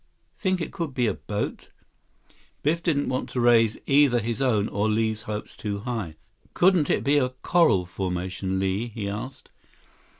Think it could be a boat?" Biff didn't want to raise either his own or Li's hopes too high. 134 "Couldn't it be a coral formation, Li?" he asked.